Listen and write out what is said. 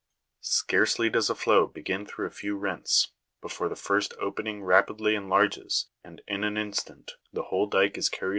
Scarcely does a flow begin through a few rents, before the first opening rapidly enlarges, and in an instant the whole dyke is carried away.